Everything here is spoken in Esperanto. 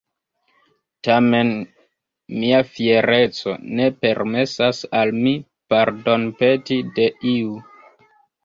Tamen mia fiereco ne permesas al mi pardonpeti de iu.